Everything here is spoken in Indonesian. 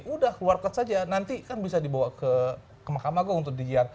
udah keluar kot saja nanti kan bisa dibawa ke mahkamah gue untuk dijiar